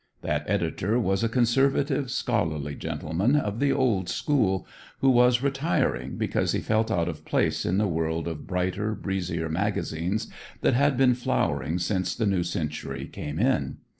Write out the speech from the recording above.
That editor was a conservative, scholarly gentleman of the old school, who was retiring because he felt out of place in the world of brighter, breezier magazines that had been flowering since the new century came in.